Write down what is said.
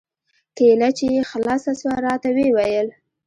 کېله چې يې خلاصه سوه راته ويې ويل.